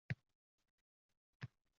— Kampir bir zum toʼxtab, yutindi.